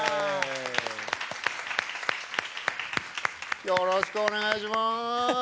よろしくお願いします！